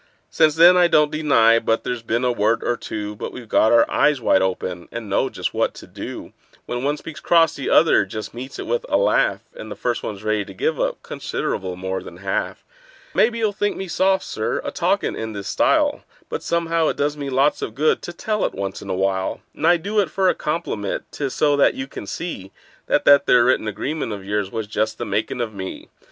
Since then I don't deny but there's been a word or two; But we've got our eyes wide open, and know just what to do: When one speaks cross the other just meets it with a laugh, And the first one's ready to give up considerable more than half. Maybe you'll think me soft, Sir, a talkin' in this style, But somehow it does me lots of good to tell it once in a while; And I do it for a compliment—'tis so that you can see That that there written agreement of yours was just the makin' of me.